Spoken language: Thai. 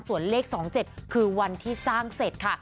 ส่วนเลขสองเจ็ดคือวันที่สร้างเศษค่ะ